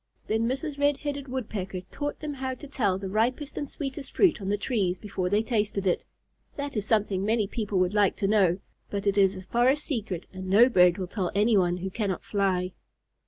Then Mrs. Red headed Woodpecker taught them how to tell the ripest and sweetest fruit on the trees before they tasted it. That is something many people would like to know, but it is a forest secret, and no bird will tell anyone who cannot fly.